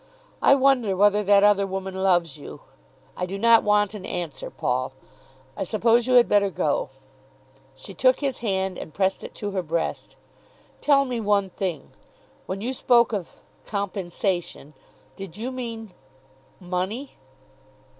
"I wonder whether that other woman loves you. I do not want an answer, Paul. I suppose you had better go." She took his hand and pressed it to her breast. "Tell me one thing. When you spoke of compensation, did you mean money?"